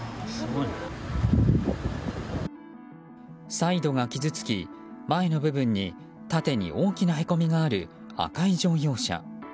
サイドが傷つき、前の部分に縦に大きなへこみがある赤い乗用車。